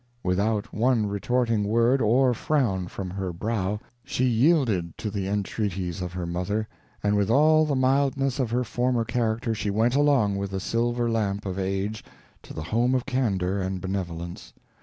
Without one retorting word, or frown from her brow, she yielded to the entreaties of her mother, and with all the mildness of her former character she went along with the silver lamp of age, to the home of candor and benevolence.